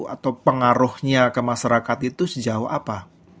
atau pengaruhnya ke masyarakat itu sejauh apa